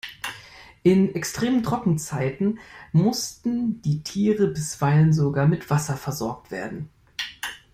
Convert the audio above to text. In extremen Trockenzeiten mussten die Tiere bisweilen sogar mit Wasser versorgt werden.